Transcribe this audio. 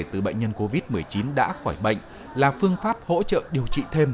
từ bệnh nhân covid một mươi chín đã khỏi bệnh là phương pháp hỗ trợ điều trị thêm